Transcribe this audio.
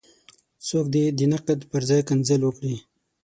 څوک دې د نقد پر ځای کنځل وکړي.